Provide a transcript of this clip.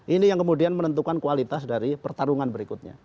ini yang kemudian menentukan kualitas dari pertarungan berikutnya